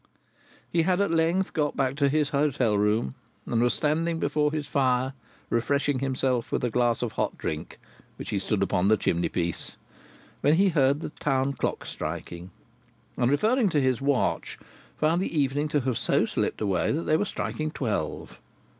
He had at length got back to his hotel room, and was standing before his fire refreshing himself with a glass of hot drink which he had stood upon the chimney piece, when he heard the town clocks striking, and, referring to his watch, found the evening to have so slipped away, that they were striking twelve.